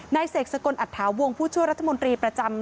เสกสกลอัตถาวงผู้ช่วยรัฐมนตรีประจำ